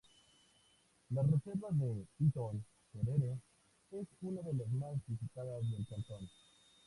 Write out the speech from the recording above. La reserva de Hitoy-Cerere es una de las más visitadas del cantón.